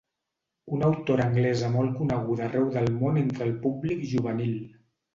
Una autora anglesa molt coneguda arreu del món entre el públic juvenil.